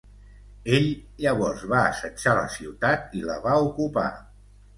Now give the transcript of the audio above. Ell llavors va assetjar la ciutat i la va ocupar.